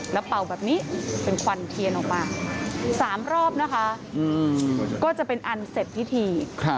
แล้วเป่าแบบนี้เป็นควันเทียนออกมา๓รอบนะคะก็จะเป็นอันเสร็จพิธี